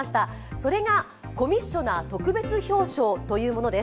それがコミッショナー特別表彰というものです。